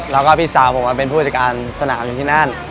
แล้วก็พี่สาวผมเป็นผู้จัดการสนามอยู่ที่นั่น